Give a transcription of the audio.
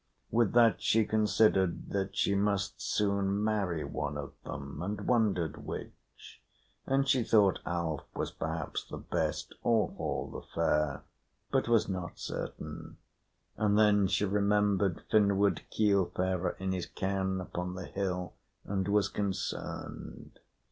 With that she considered that she must soon marry one of them and wondered which; and she thought Alf was perhaps the best, or Hall the Fair, but was not certain, and then she remembered Finnward Keelfarer in his cairn upon the hill, and was concerned.